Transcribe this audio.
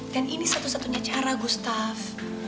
dan ini satu satunya cara gustaf